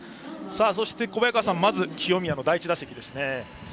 そして小早川さん、まず清宮の第１打席ですね。